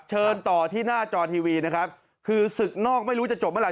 เชิญต่อที่หน้าจอทีวีนะครับคือศึกนอกไม่รู้จะจบเมื่อไ